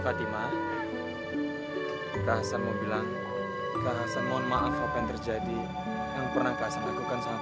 fatimah rasa mau bilang bahasa mohon maaf apa yang terjadi yang pernah pasang lakukan sama